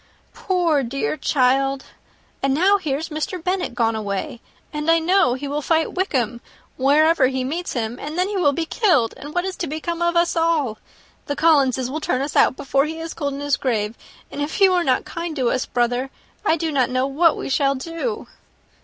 Poor, dear child! And now here's Mr. Bennet gone away, and I know he will fight Wickham, wherever he meets him, and then he will be killed, and what is to become of us all? The Collinses will turn us out, before he is cold in his grave; and if you are not kind to us, brother, I do not know what we shall do."